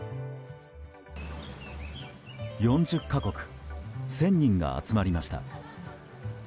４０か国、１０００人が集まりました。